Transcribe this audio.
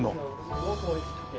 すごく美味しくて。